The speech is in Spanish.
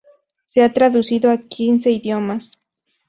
Se ha traducido a quince idiomas.